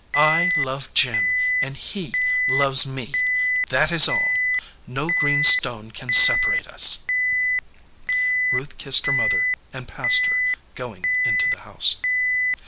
I love Jim, and he loves me. That is all. No green stone can separate us." 271 EDGEWATER PEOPLE Ruth kissed her mother and passed her, going into the house.